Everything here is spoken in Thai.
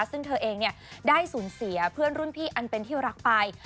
ซึ่งเธอเองได้สูญเสียเพื่อนรุ่นพี่อันเป็นที่รักไป